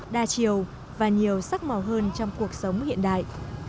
đa chiều và nhiều sắc màu hơn trong cuộc sống hiện đại